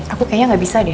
aku kayaknya gak bisa deh